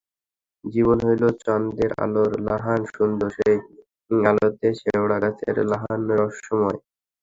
জীবন হইল চান্দের আলোর লাহান সুন্দর, সেই আলোতে শেওড়া গাছের লাহান রহস্যময়।